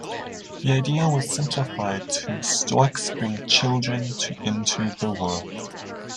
This idea was simplified to "storks bring children into the world".